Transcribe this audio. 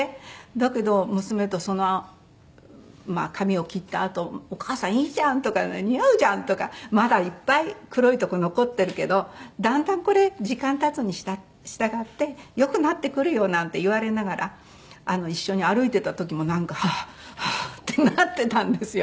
だけど娘と髪を切ったあと「お母さんいいじゃん」とか「似合うじゃん」とか「まだいっぱい黒いとこ残ってるけどだんだんこれ時間経つに従ってよくなってくるよ」なんて言われながら一緒に歩いてた時もなんかハアハアってなってたんですよ。